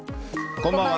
こんばんは。